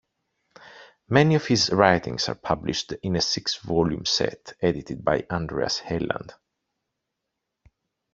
Many of his writings are published in a six-volume set edited by Andreas Helland.